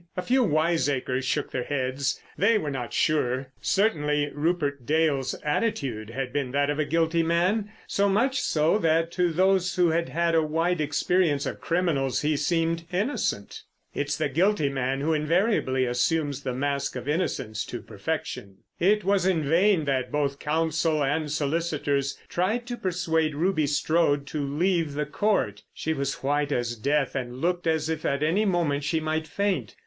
A few wiseacres shook their heads. They were not so sure. Certainly Rupert Dale's attitude had been that of a guilty man, so much so that to those who had had a wide experience of criminals he seemed innocent. It's the guilty man who invariably assumes the mask of innocence to perfection. It was in vain that both counsel and solicitors tried to persuade Ruby Strode to leave the Court. She was as white as death and looked as if at any moment she might faint.